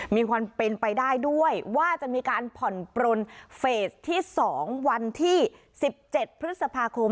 มีความเป็นไปได้ด้วยว่าจะมีการผ่อนปลนเฟสที่๒วันที่๑๗พฤษภาคม